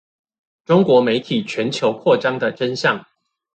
中國媒體全球擴張的真相